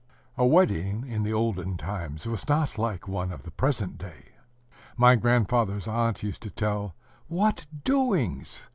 . A wedding in the olden times was not like one of the present day. My grandfather's aunt used to tell what doings!